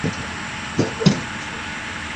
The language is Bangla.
মেই-মেই, সাহায্য করো।